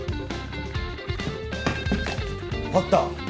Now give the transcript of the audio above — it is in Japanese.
あった！